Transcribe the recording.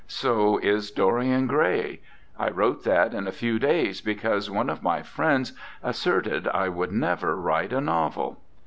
So is 'Dorian Grey.' I wrote that in a few days, because one of my friends asserted I would never write a novel."